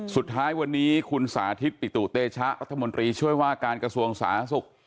สุดท้ายวันนี้คุณสาธิตปิตุเตชะรัฐมนตรีช่วยว่าการกระทรวงสาธารณสุข